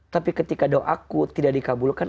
tapi ketika doaku tidak dikabulkan